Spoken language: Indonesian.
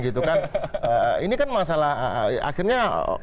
ini kan masalah akhirnya